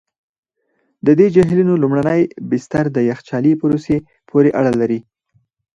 د دې جهیلونو لومړني بستر د یخچالي پروسې پورې اړه لري.